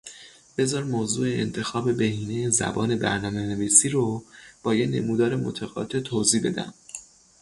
بذار موضوع انتخاب بهینه زبان برنامه نویسی رو با یک نمودار متقاطع توضیح بدم.